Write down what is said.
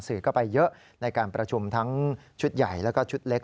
สื่อก็ไปเยอะในการประชุมทั้งชุดใหญ่แล้วก็ชุดเล็ก